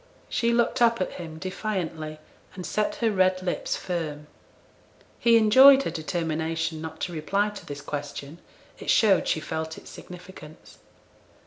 She looked up at him defiantly, and set her red lips firm. He enjoyed her determination not to reply to this question; it showed she felt its significance.